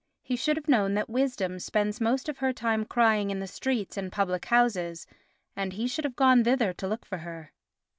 He should have known that wisdom spends most of her time crying in the streets and public houses, and he should have gone thither to look for her.